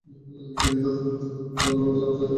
তিনি ধাতুমূর্তিতেই জীবন্ত বালক রামচন্দ্রকে চাক্ষুষ করতেন।